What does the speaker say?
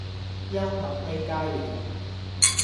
幽默呢家嘢